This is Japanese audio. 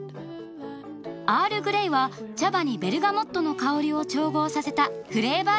アールグレイは茶葉にベルガモットの香りを調合させたフレーバーティー。